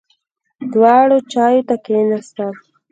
دواړه چایو ته کېناستل.